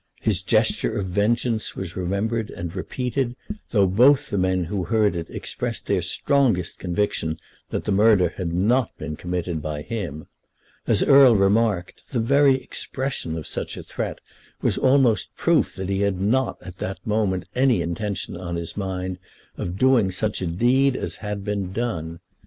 His gesture of vengeance was remembered and repeated, though both the men who heard it expressed their strongest conviction that the murder had not been committed by him. As Erle remarked, the very expression of such a threat was almost proof that he had not at that moment any intention on his mind of doing such a deed as had been done.